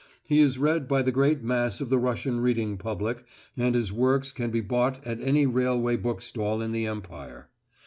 He is read by the great mass of the Russian reading public, and his works can be bought at any railway bookstall in the Empire.